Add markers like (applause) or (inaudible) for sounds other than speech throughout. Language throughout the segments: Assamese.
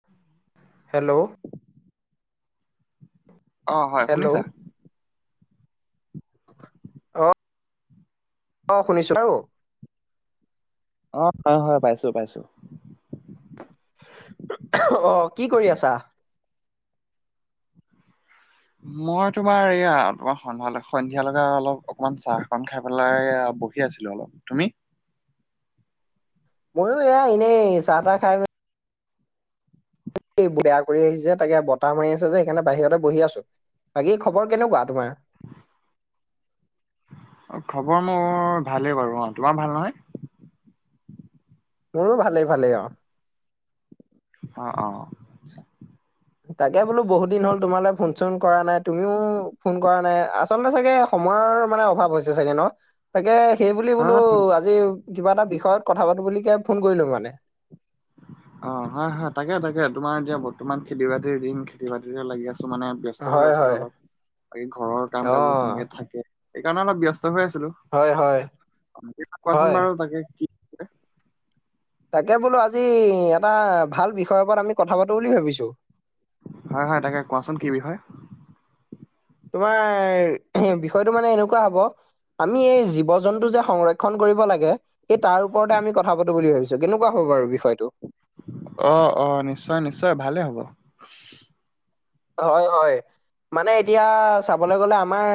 (inaudible) হেল্ল'। অ' হয়। হেল্ল' শুনিছা? অ' অ'। শুনিছো। অ' হয় হয়। পাইছো পাইছো। অ'। কি কৰি আছা? মই তোমাৰ এইয়া তোমাৰ সন্ধিয়ালে সন্ধিয়ালকে অলপ অকমান চাহকন খাই পেলাই বহ আছিলো অলপ। তুমি? মইও এয়া এনেই চাহ তাহ খাই এই বেয়া কৰি আহিছে। তাকে বতাহ মাৰি আছে যে, সেইকাণে বাহিয়তে বহি আছো। বাকী খবৰ কেনেকুৱা তোমাৰ? অ' খবৰ মোৰ ভালেই বাৰু অ'। তোমাৰ ভাল নহয়? মোৰো ভালে ভালে, অ'। অ' অ'। তাকে বোলো বহুত দিন হ'ল তোমালে ফোন চোন কৰা নাই। তুমিও ফোন কৰা নাই। আচলতে চাগে সময়ৰ মানে অভাৱ হৈছে চাগে ন? তাকে সেইবুলি হয় বোলো হয় আজি কিবা এটা বিষয়ত কথা পাতো বুলি কে ফোন কৰিলো মানে। অ' হয় হয়, তাকে তাকে। তোমাৰ এতিয়া বৰ্তমান খেতি বাতিৰ দিন। খেতি বাতিৰে লাগি আছো মানে। ব্যস্ত হৈ হয় আছিলো হয় অলপ, বাকী ঘৰৰ কাম অ কাজবোৰ তেনেকে থাকেই সেইকাৰণে অলপ ব্যস্ত হৈ আছিলো। হয় হয় কোৱাচোন হয় বাৰু তাকে কি? তাকে বোলো আজি এটা ভাল বিষয়ৰ ওপৰত আমি কথা পাতো বুলি ভাবিছো। হয় হয় তাকে, কোৱাচোন কি বিষয়? তোমাৰ সেই বিষয়টো মানে এনেকুৱা হ'ব, - আমি এই জীৱ জন্তু যে সংৰক্ষণ কৰিব লাগে- সেই তাৰ ওপৰতে আমি কথা পাতো বুলি ভাবিছো, কেনেকুৱা হ'ব বাৰু বিষয়টো? অঁ' অঁ' নিশ্চয় নিশ্চয়, ভালে হ'ব। হয় হয়। মানে এতিয়া চাবলে গ'লে আমাৰ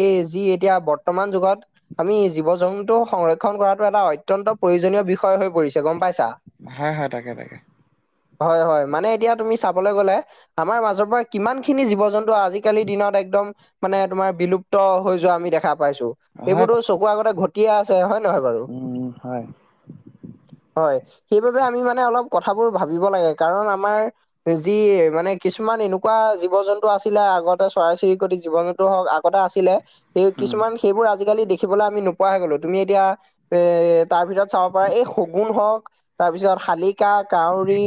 এই যি এতিয়া বৰ্তমান যুগত- আমি জীৱ জন্তু সংৰক্ষন কৰাটো এটা অত্যন্ত প্ৰয়োজনীয় বিষয় হৈ পৰিছে। গম পাইছা? হয় হয় তাকে তাকে। হয় হয়, মানে এতিয়া তুমি চাবলৈ গলে আমাৰ মাজৰ পৰা- কিমান খিনি জীৱ জন্তু আজিকালিৰ দিনত একদম মানে তোমাৰ বিলুপ্ত হৈ যোৱা আমি দেখা পাইছো। হয় সেইবোৰতো চকুৰ আগতে ঘটিয়ে আছে হয় নহয় বাৰু? উম, হয়, হয়, সেইবাবে আমি মানে অলপ কথাবোৰ ভাবিব লাগে, কাৰণ আমাৰ- যি মানে কিছুমান এনোক- কুৱা জীৱ জন্তু আছিলে আগতে চৰাই চিৰিকটি জীৱ জন্তু হওক আগতে আছিলে সেই উম, কিছুমান- সেইবোৰ আজিকালি দেখিবলে আমি নোপোৱা গ'লো, তুমি এতিয়া এ- তাৰ ভিতৰত চাব পাৰা এই শগুন হওক- তাৰপিছত শালিকা কাউৰী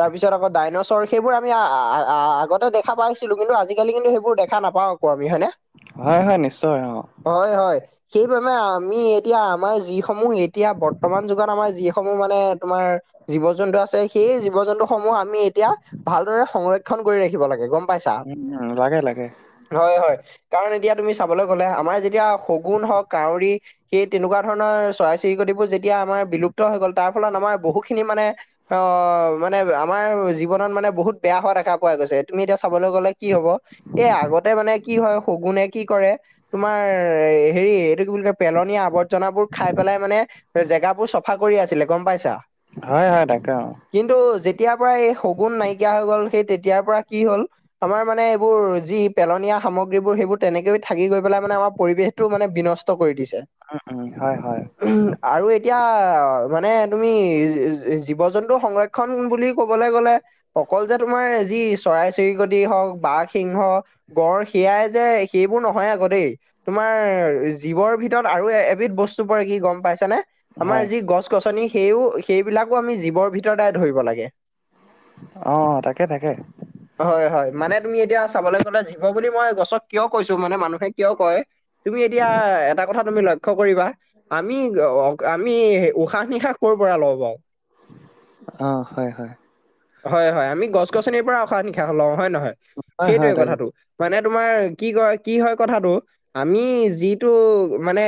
তাৰপিছত আকৌ ডাইনছৰ- সেইবোৰ আমি আগতে দেখা পাইছিলো কিন্তু আজিকালি কিন্তু সেইবোৰ দেখা নাপাওঁ আকৌ আমি হয়নে। হয় হয়, নিশ্চয় হয় অঁ'। হয় হয়। সেইবাবে আমি এতিয়া আমাৰ যিসমূহ এতিয়া বৰ্তমান যুগত আমাৰ যিসমূহ মানে তোমাৰ- জীৱ- জন্তু আছে। সেই জীৱ- জন্তুসমূহ আমি এতিয়া ভালদৰে সংৰক্ষন কৰি ৰাখিব লাগে। গম- পাইছা উম উম' লাগে লাগে। হয় হয়, কাৰণ এতিয়া তুমি চাবলৈ গ'লে, আমাৰ যেতিয়া শগুণ হওঁক কাউৰী- সেই তেনেকুৱা ধৰণৰ চৰাই- চিৰিকটিবোৰ যেতিয়া আমাৰ বিলুপ্ত হৈ গ'ল, তাৰ ফলত আমাৰ বহুখিনি মানে- অঁ' মানে, আমাৰ জীৱনত মানে বহুত বেয়া হোৱা দেখা পোৱা গৈছে। তুমি এতিয়া চাবলে গ'লে কি হ'ব, এই আগতে মানে কি হয় শগুণ এক- কি কৰে, তোমাৰ হেৰি, এইটো কি বুলি কয়, পেলনীয়া আৱৰ্জনাবোৰ খাই পেলাই মানে- জেগাবোৰ চফা কৰি আছিলে, গম পাইছা? হয় হয়, তাকে অঁ'। কিন্তু, যেতিয়াৰ পৰা এই শগুণ নাইকিয়া হৈ গ'ল, সেই তেতিয়াৰ পৰা- কি হ'ল, আমাৰ মানে এইবোৰ যি পেলনীয়া সামগ্ৰীবোৰ সেইবোৰ তেনেকৈ থাকি গৈ পেলাই মানে আমাৰ- পৰিৱেশটো মানে বিনষ্ট কৰি দিছে। উম, উম, হয়, হয়, উমহ' আৰু এতিয়া মানে তুমি জীৱ- জন্তু সংৰক্ষণ বুলি কবলে গ'লে- অকল যে তোমাৰ যি চৰাই- চিৰিকটি হওঁক বাঘ, সিংহ- গঁড় সেয়াই যে সেইবোৰ নহয় আকৌ দেই। তোমাৰ জীৱৰ ভিতৰত আৰু এবিধ বস্তু পৰে, কি গম পাইছা নে? আমাৰ হয়। যি গছ- গছনি সেইও সেইবিলাকো আমি জীৱৰ ভিতৰতে ধৰিব লাগে। অঁ, তাকে তাকে। হয় হয়, মানে তুমি এতিয়া চাবলে গ'লে, জীৱ বুলি মই গছক কিয় কৈছো? মানে মানুহে কিয় কয়? তুমি এতিয়া এটা কথা- তুমি লক্ষ্য কৰিবা আমি- অ- অ- আমি উশাহ- নিশাহ ক'ৰ পৰা লওঁ বাও? অ', হয় হয়। হয় হয়। আমি গছ- গছনিৰ পৰা উশাহ- নিশাহ লওঁ, হয় নহয়? হয়, হয়, সেইটোয়ে তাকে, কথাটো। মানে তোমাৰ কি কয়, কি হয় কথাটো, আমি যিটো মানে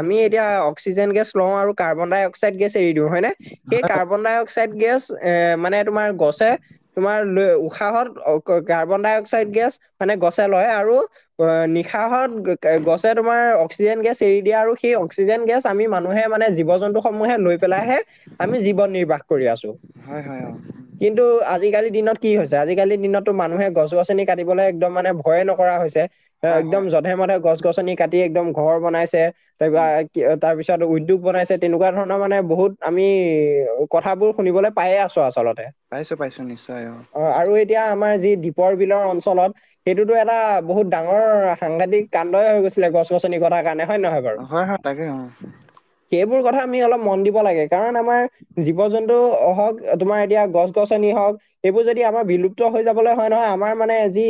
আমি এতিয়া অক্সিজেন গেছ লওঁ আৰু কাৰ্বন- ডাই- অক্সাইড গেছ এৰি দিওঁ, হয়নে? সেই কাৰ্বন- ডাই অক্সাইড গেছ এ, মানে তোমাৰ গছে তোমাৰ লৈ উশাহত অ ক কাৰ্বন- ডাই- অক্সাইড গেছ মানে গছে লয় আৰু অ, নিশাহত গছে তোমাৰ অক্সিজেন গেছ এৰি দিয়ে আৰু সেই অক্সিজেন গেছ আমি মানুহে মানে জীৱ- জন্তু সমূহে লৈ পেলাইহে, আমি জীৱন নিৰ্বাহ কৰি আছো। হয়, হয়, অ'। কিন্তু, আজিকালি দিনত কি হৈছে? আজিকালি দিনতটো মানুহে গছ- গছনি কাটিবলে একদম মানে ভয়ে নকৰা হৈছে। এ, হয়, একদম হয়, যধে- মধে গছ- গছনি কাটি একদম ঘৰ বনাইছে এইবা উম, কিঅ তাৰপিছত উদ্যোগ বনাইছে, তেনেকুৱা ধৰণৰ মানে বহুত আমি কথাবোৰ শুনিবলৈ পায়ে আছোঁ আচলতে। পাইছো পাইছো নিশ্চয় অঁ। আৰু এতিয়া, আমাৰ যি দ্বীপৰ বিলৰ অঞ্চলত সেইটোতো এটা বহুত ডাঙৰ সাংঘাতিক কাণ্ডই হৈ গৈছিলে, গছ- গছনি কটা কাৰণে। হয়ন নহয় বাৰু? হয়, হয়, তাকে অ', সেইবোৰ কথা আমি অলপ মন দিব লাগে, কাৰণ আমাৰ জীৱ- জন্তু হওঁক, তোমাৰ এতিয়া গছ- গছনি হওঁক। সেইবোৰ যদি আমাৰ বিলুপ্ত হৈ যাবলে হয় নহয়, আমাৰ মানে যি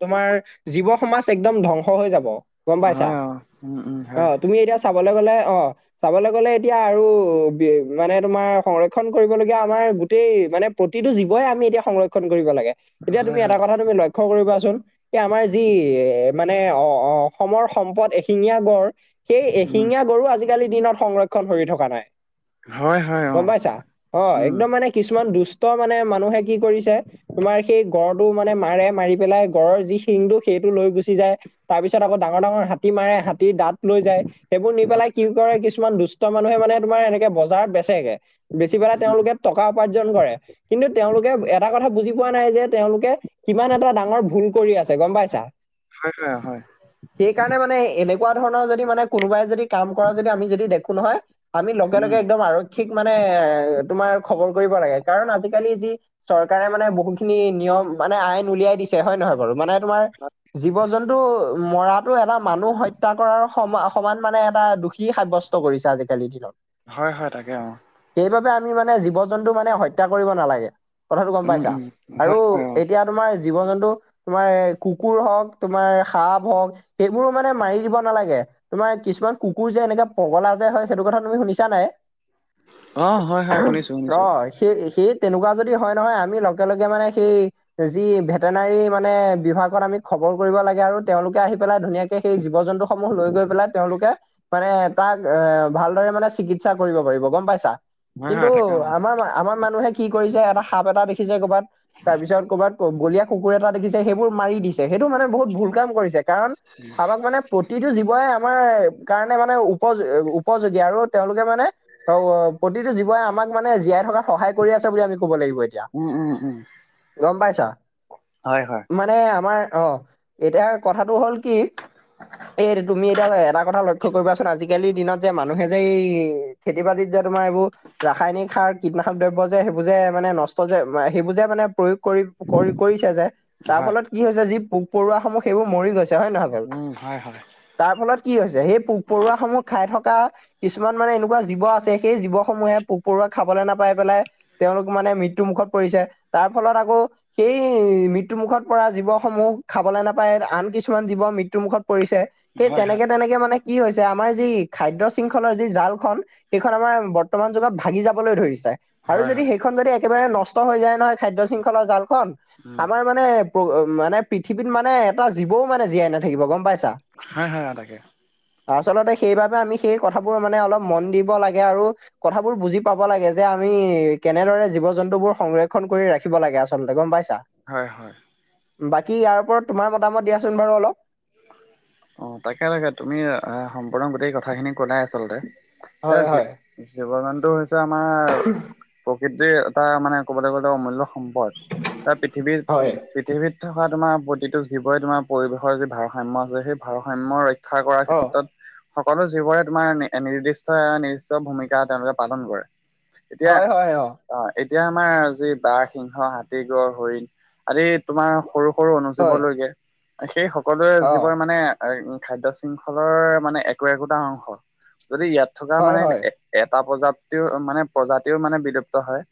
তোমাৰ জীৱ সমাজ একদম ধ্বংস হৈ যাব। গ'ম পাইছা হয়, অ', উম, উম, হয়, অ', তুমি এতিয়া চাবলে গ'লে অঁ চাবলে গ'লে এতিয়া আৰু বি মানে তোমাৰ সংৰক্ষণ কৰিব লগীয়া আমাৰ গোটেই মানে প্ৰতিটো জীৱ ৱই আমি এতিয়া সংৰক্ষণ কৰিব লাগে। এতিয়া হয়, তুমি এটা হয়, কথা তুমি লক্ষ্য কৰিবা চোন। এ, আমাৰ যি এ, মানে অ- অ- অসমৰ সম্পদ এশিঙীয়া গঁড় সেই উম, এশিঙীয়া গঁড়ো আজিকালিৰ দিনত সংৰক্ষণ হৈ থকা নাই। হয়, হয়, গ'ম অ', পাইছা? অ', উম, একদম মানে কিছুমান দুষ্ট মানে মানুহে কি কৰিছে, তোমাৰ সেই গঁড়টো মানে মাৰে মাৰি পেলাই গঁড়ৰ যি শিঙটো সেইটো লৈ গুচি যায়। তাৰপিছত আকৌ ডাঙৰ- ডাঙৰ হাত তী মাৰে হাতীৰ দাঁত লৈ যায়। সেইবোৰ নি পেলাই কি কৰে কিছুমান দু ষ্ট মানুহে মানে তোমাৰ এনেকে বজাৰ বেচেগে, বেচি পেলাই উম, তেওঁলোকে টকা উপাৰ্জন কৰে। কিন্তু তেওঁলোকে এটা কথা বুজি পোৱা নাই যে তেওঁলোকে কিমান এটা ডাঙৰ ভুল কৰি আছে, গম পাইছা? হয় হয় হয়। সেই কাৰণে মানে এনেকুৱা ধৰণৰ যদি মানে কোনোবাই যদি কাম কৰা যদি আমি যদি দেখো নহয় আমি লগে লগে উম, একদম আৰক্ষীক মানে এ তোমাৰ খবৰ কৰিব লাগে, কাৰণ আজি আজিকালি যি চৰকাৰে মানে বহু খিনি নিয়ম মানে আইন উলিয়াই দিছে হয়ন নহয় বাৰু? মানে তোমাৰ জীৱ জন্তু ও মৰাতো এটা মানুহ হত্যা কৰাৰ সমা সমান মানে এটা দুখী সাব্যস্ত কৰিছে আজি কালিৰ দিনত। হয় হয় তাকে অঁ সেইবাবে আমি মানে জীৱ জন্তু মানে হত্যা কৰিব নালাগে, কথাটো গ'ম উম, পাইছা? উম, আৰু হয়, হয়, অ', এতিয়া তোমাৰ জীৱ জন্তু তোমাৰ কুকুৰ হও'ক তোমাৰ সাপ হও'ক। সেইবোৰো মানে মাৰি দিব নালাগে। তোমাৰ কিছুমান কুকুৰ যে এনেকে পগলা যে হয়, সেইটো কথা তুমি শুনিছা নাই? অ', হয়, হয়, শুনিছোঁ, অ শুনিছোঁ, সেই সেই তেনেকুৱা যদি হয় নহয় আমি লগে লগে মানে সেই যি ভেটেনাৰী মানে বিভাগত আমি খবৰ কৰিব লাগে আৰু তেওঁলোকে আহি পেলাই ধুনীয়াকে সেই জীৱ-জন্তু সমূহ লৈ গৈ পেলাই তেওঁলোকে মানে তাক এ ভালদৰে মানে চিকি চিকিৎসা কৰিব পাৰিব গম পাইছা, হয়, কিন্তু হয়, তাকে অ', আমাৰ আমাৰ মানুহে কি কৰিছে এটা সাপ এটা দেখিছে কৰ'বাত। তাৰ পিছত ক'বাত বলীয়া কুকুৰ এটা দেখিছে সেইবোৰ মাৰি দিছে সেইটো মানে বহুত ভুল কাম কৰিছে। কাৰণ কাবাক মানে প্ৰতিটো জীৱই আমাৰ কাৰণে মানে উপযো উপযোগী আৰু তেওঁলোকে মানে ত প্ৰতিটো জীৱই আমাক মানে জীয়াই থকা সহায় কৰি আছে বুলি আমি কব লাগিব এতিয়া, উম, উম, উম, গম পাইছ, হয়, হয়। ম মানে আমাৰ অ এতিয়া কথাটো হ'ল কি? এই তুমি এতিয়া এটা কথা লক্ষ্য কৰিবাচোন আজিকালিৰ দিনত যে মানুহে যে এই খেতি বাতিত যে তোমাৰ এইবোৰ ৰাসায়নিক সাৰ কীটনাশক দ্ৰব্য যে সেইবো যে মানে নষ্ট যে সেইবো যে মানে প্ৰয়োগ কৰি কৰিছে যে, তাৰ হয়, ফলত কি হৈছে যি পোক পৰুৱাসমূহ সেইবোৰ মৰি গৈছে হয় নহয় বাৰু। উম, হয়, হয়, তাৰ ফলত কি হৈছে সেই পোক পৰুৱাসমূহ খাই থকা কিছুমান মানে এনেকুৱা জীৱ আছে সেই জীৱসমূহে পোক পৰুৱা খাবলে নাপাই পেলাই তেওঁলোক মানে মৃত্যু মুুখত পৰিছে, তাৰ ফলত আকৌ সেই মৃত্যু মুুখত পৰা জীৱসমূহ খাবলে নাপায় আন কিছুমান জীৱ মৃত্যুমুখত পৰিছে। সেই হয়, হয়, তেনেকে তেনেকে মানে কি হৈছে আমাৰ যি খাদ্য শৃংখলৰ যি জালখন। সেইখন আমাৰ বৰ্তমান যুগত ভাগি যাবলৈ ধৰিছে। আৰু হয়, যদি হয়, সেইখন যদি একেবাৰে নষ্ট হৈ যায় নহয় খাদ্যয় শৃংখলৰ জালখন, উম, আমাৰ মানে মানে পৃথিৱীত মানে এটা জীৱও মানে জীয়াই নাথাকিব গম পাইছা। হয় হয় আৰু তাকে। আচলতে সেইবাবে আমি সেই কথাবোৰ মানে অলপ মন দিব লাগে আৰু। কথাবোৰ বুজি পাব লাগে যে আমি তুমি কেনেদৰে জীৱ -জন্তু বোৰ সংৰক্ষন কৰি ৰাখিব লাগে আচলতে গম পাইছা। হয় হয়। বাকী ইয়াৰ ওপৰত তোমাৰ মতামত দিয়াচোন বাৰু অলপ? অ তাকে তাকে তুমি সম্পূৰ্ণ গোটেই কথাখিনি ক'লাই আচলতে। হয় এতিয়া হয় জীৱ জন্তু হৈছে আমাৰ। প্ৰকৃতিৰ এটা মানে ক'বলৈ গ'লে অমূল্য সম্পদ, তাৰ পৃথিৱীৰ হয়। পৃথিৱীত থকা তোমাৰ প্ৰতিটো জীৱই তোমাৰ পৰিৱেশৰ যি ভাৰসাম্য আছে সেই ভাৰসাম্য ৰক্ষা ৰক্ষা কৰাৰ অ' ক্ষেত্ৰত। সকলো জীৱৰে তোমাৰ নিৰ্দিষ্ট নিৰ্দিষ্ট ভূমিকা তেওঁলোকে পালন কৰে। এতিয়া হয় হয় অ' এতিয়া আমাৰ যি বাঘ, সিংহ, হাতী, গড়, হৰিণ আদি তোমাৰ সৰু সৰু হয় জীৱলৈকে সেই সকলোৱে অ' যিবোৰ মানে খাদ্য শৃংখলৰ মানে একো একোটা অংশ, যদি ইয়াত থকা হয় মানে হয় এটা প্ৰজাতিও মানে প্ৰজাতিও মানে বিলুপ্ত হয়,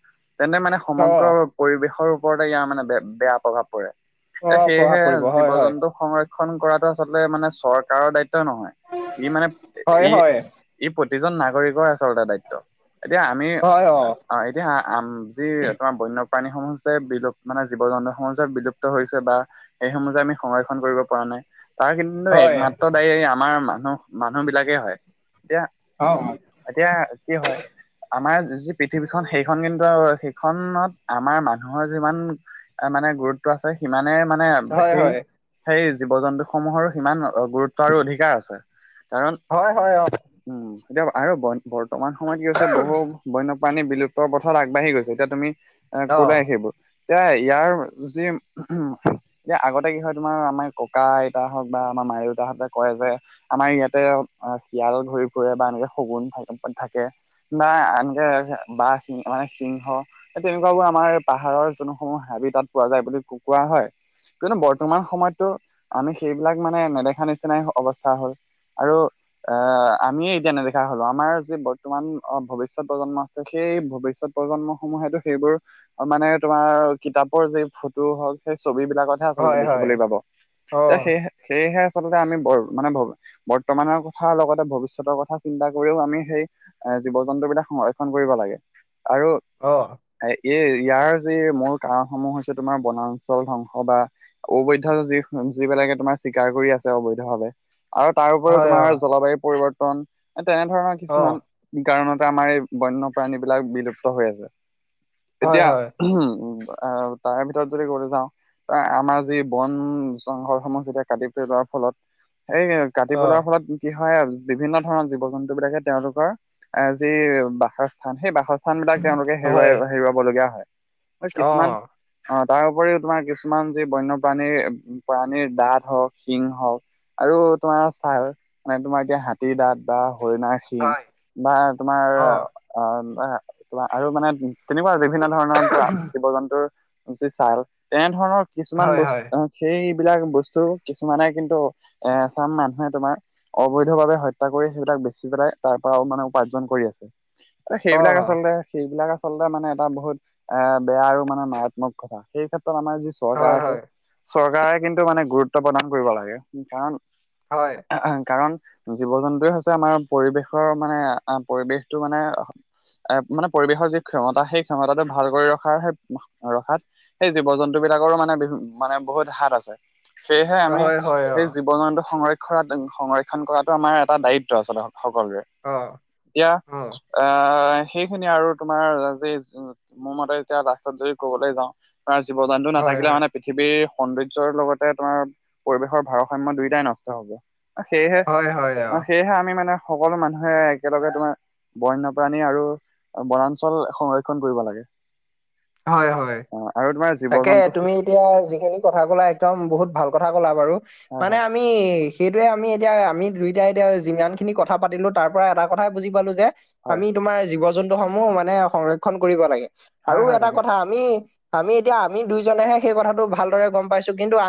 তেন্তে মানে সমগ্ৰ অ'। পৰিৱেশৰ ওপৰতে ইয়াৰ মানে বে বেয়া প্ৰভাৱ পৰে, এ অ' প্ৰভাৱ সেয়েহে পৰিব জীৱ হয় হয় জন্তু সংৰক্ষণ কৰাটো আচলতে মানে চৰকাৰৰ দায়িত্ব নহয়, ই মানে হয় ই হয় ই প্ৰতিজন নাগৰিকৰ আচলতে দায়িত্ব, এতিয়া আমি অ' এতিয়া আ যি তোমাৰ বন্যপ্ৰাণীসমূহ যে বিলুপ মানে জীৱ জন্তুসমূহ যে বিলুপ্ত হৈছে বা সেইসমূহ যে আমি সংৰক্ষণ কৰিব পৰা নাই, তাৰ কিন্তু হয় অ'। একমাত্ৰ দায়ী আমাৰ মানুহ মানুহ বিলাকেই হয়, এতিয়া অ', অ'। এতিয়া, কি হয় আমাৰ যি পৃথিৱীখন সেইখন কিন্তু সেইখনত আমাৰ মানুহৰ যিমান মানে গুৰুত্ব আছে, সিমানে মানে হয় সেই হয় সেই জীৱ-জন্তুসমূহৰো সিমান গুৰুত্ব আৰু অধিকাৰ আছে, কাৰণ হয় উম, এতিয়া আৰু বৰ্তমান সময়ত কি হৈছে, বহু বন্যপ্ৰাণী বিলুপ্ত পথত আগবাঢ়ি গৈছে, এতিয়া তুমি এ অ' অ' ক'লাই সেইবোৰ। এতিয়া, ইয়াৰ যি উম, এতিয়া আগতে কি হয় তোমাৰ আমাৰ ককা- আইতা হওক বা আমাৰ মায়-দেউতাহঁতে কয় যে আমাৰ ইয়াতে শিয়াল ঘৰি ফুৰে বা এনেকে শগুন থাকে বা এনেকে বাঘ মানে সিংহ তেনেকুৱাবোৰ আমাৰ পাহাৰৰ যোনসমূহ হাবি তাত পোৱা যায় বুলি কোৱা হয়। কিন্তু বৰ্তমান সময়তটো আমি সেইবিলাক মানে নেদেখা নিচিনাই অৱস্থা হ'ল। আৰু আহ, আমিয়ে এতিয়া নেদেখা হ'লো, আমাৰ যি বৰ্তমান অ', ভৱিষ্যত প্ৰজন্ম আছে, সেই ভৱিষ্যত প্ৰজন্মসমূহেতো সেইবোৰ মানে তোমাৰ, কিতাপৰ যি ফটো হওক, সেই ছবি বিলাকত হে আচলতে হয় হয় দেখিবলৈ পাব, অ' এতিয়া সে সেয়েহে আচলতে আমি বৰ মানে বৰ্তমানৰ কথা, লগতে ভৱিষ্যতৰ কথা চিন্তা কৰিও আমি সেই এ, জীৱ-জন্তু বিলাক সংৰক্ষণ কৰিব লাগে, আৰু অ'। এই ইয়াৰ যি মূল কাৰণসমূহ হৈছে, তোমাৰ বনাঞ্চল ধ্বংস বা অবৈধ যি যিবিলাকে তোমাৰ চিকাৰ কৰি আছে অবৈধভাৱে, আৰু তাৰ উপৰিও হয় অ' তোমাৰ জলবায়ু পৰিৱৰ্তন তেনেধৰণৰ অ' কিছুমান কাৰণতে আমাৰ এই বন্যপ্ৰাণী বিলাক বিলুপ্ত হৈ আছে। হয় এতিয়া, হয় উম, তাৰে ভিতৰত যদি ক'বলে যাওঁ, আমাৰ যি বন ঘৰসমূহ যেতিয়া কাটি পেলোৱাৰ ফলত, সেই কাটি অ' পেলোৱাৰ ফলত কি হয়, বিভিন্ন ধৰণৰ জীৱ-জন্তু বিলাকে তেওঁলোকৰ এ, যি বাস স্থান, সেই বাসস্থান বিলাক তেওঁলোকে হেৰুৱাই হয়। হেৰুৱাবলগীয়া হয়, আৰু অ', কিছুমান অ', তাৰ উপৰিও তোমাৰ কিছুমান যি বন্যপ্ৰাণীৰ প্ৰাণীৰ দাঁত হওক, সিং হওক আৰু তোমাৰ ছাৰ মানে, তোমাৰ এতিয়া হাতী দাঁত বা হৰিণাৰ সিং হয়। বা অ', তোমাৰ অ', (unintelligible) আৰু মানে তেনেকুৱা বিভিন্ন ধৰণৰ (unintelligible) জীৱ-জন্তুৰ যি ছাল, তেনে ধৰণৰ কিছুমান হয়, হয়, বস্তু সেইবিলাক বস্তু কিছুমানে কিন্তু এচাম মানুহে তোমাৰ অবৈধভাৱ বাবে হত্যা কৰি, সেইবিলাক বেচি পেলাই, তাৰ পৰা মানে উপাৰ্জন কৰি আছে। সেইবিলাক অ', আচলতে সেইবিলাক আচলতে মানে এটা বহুত এ বেয়া আৰু মানে মাৰাত্মক কথা। সেই ক্ষেত্ৰত আমাৰ যি চৰকাৰ হয়, আছে, হয়, চৰকাৰে কিন্তু মানে গুৰুত্ব প্ৰদান কৰিব লাগে, কাৰণ হয়। আহ', কাৰণ জীৱ-জন্তুৱে হৈছে আমাৰ পৰিৱেশৰ মানে, পৰিৱেশটো মানে এ, মানে পৰিৱেশৰ যি ক্ষমতা, সেই ক্ষমতাটো ভাল কৰি ৰখাৰে ৰখাত সেই জীৱ-জন্তু বিলাকৰো মানে (unintelligible) মানে বহুত হাত আছে। সেয়েহে আমি হয়, হয়, সেই অ', জীৱ-জন্তু সংৰক্ষণ সংৰক্ষণ কৰাটো আমাৰ এটা দায়িত্ব আচলতে সকলোৰে অ', এতিয়া- অ', আঁহ', -সেইখিনি আৰু তোমাৰ যি মোৰ মতে এতিয়া লাষ্টত যদি ক'বলৈ যাওঁ- তা'ত জীৱ-জন্তু হয়, নাথাকিলে হয়, মানে- পৃথিৱীৰ সৌন্দৰ্যৰ লগতে তোমাৰ পৰিৱেশৰ ভাৰসাম্য দুয়োটাই নষ্ট হ'ব। সেয়েহে হয়, হয়, অ' সেয়েহে আমি মানে সকলো মানুহে একেলগে তোমাৰ- বন্যপ্ৰাণী আৰু বনাঞ্চল সংৰক্ষণ কৰিব লাগে। হয়-হয়। অ আৰু তোমাৰ জীৱ তাকেহে জন্তু তুমি এতিয়া যিখিনি কথা ক'লা - একদম বহুত ভাল কথা কলা বাৰু, হয় মানে- হয় আমি সেইটোয়ে আমি এতিয়া আমি দুইটাই এতিয়া যিমান খিনি কথা পাতিলোঁ তাৰ পৰা এটা কথাই বুজি পালো যে- হয় আমি তোমাৰ জীৱ-জন্তু সমূহ মানে সংৰক্ষণ কৰিব লাগে। আৰু হয় হয় এটা- তাকে আমি-আমি এতিয়া আমি দুইজনে'হে সেই কথাটো ভালদৰে গম পাইছোঁ, কিন্তু আ